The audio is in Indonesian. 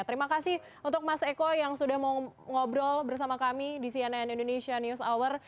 terima kasih untuk mas eko yang sudah mau ngobrol bersama kami di cnn indonesia news hour